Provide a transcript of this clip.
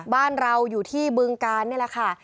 บ้านเราอยู่ที่บึงกาลนี่แหละค่ะ